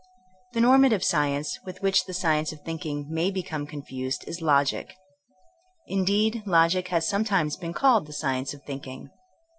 The normative science with which the sci ence of thinking may become confused is logic. Indeed, logic has sometimes been called the sci ence of thinking.